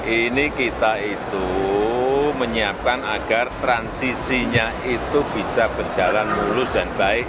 ini kita itu menyiapkan agar transisinya itu bisa berjalan mulus dan baik